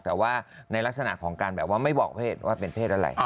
แต่ว่าในลักษณะของการไม่บอกเภทร่ว่าเป็นเภทอะไร